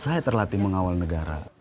saya terlatih mengawal negara